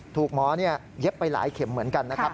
หมอเย็บไปหลายเข็มเหมือนกันนะครับ